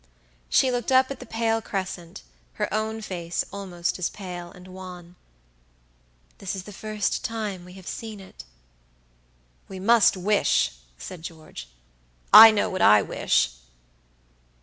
She looked up at the pale crescent, her own face almost as pale and wan. "This is the first time we have seen it." "We must wish!" said George. "I know what I wish."